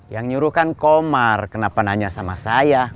yang nyuruh kan komar kenapa nanya sama saya